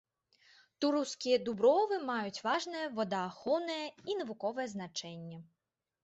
Тураўскія дубровы маюць важнае водаахоўнае і навуковае значэнне.